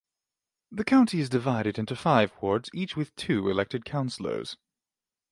The County is divided into five wards, each with two elected Councilors.